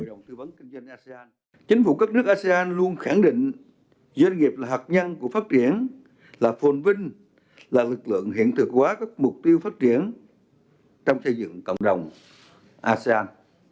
trong tư vấn kinh doanh asean chính phủ các nước asean luôn khẳng định doanh nghiệp là hạt nhân của phát triển là phồn vinh là lực lượng hiện thực hóa các mục tiêu phát triển trong xây dựng cộng đồng asean